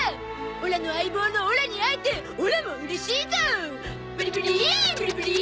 オラの相棒のオラに会えてオラもうれしいゾ！